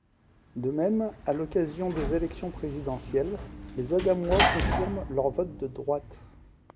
De même, à l'occasion des élections présidentielles, les Adamois confirment leur vote de droite.